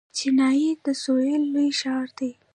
چنای د سویل لوی ښار دی.